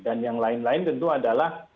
dan yang lain lain tentu adalah